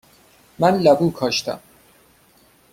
من لبو کاشتم.